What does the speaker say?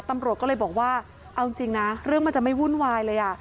ตำรวจก็เลยบอกว่าเอาจริงนะเรื่องมันจะไม่วุ่นวายเลย